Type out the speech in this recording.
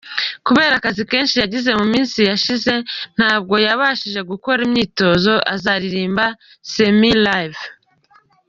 Kubera akazi kenshi yagize mu minsi yashize ntabwo yabashije gukora imyitozo, azaririmba semi-live”.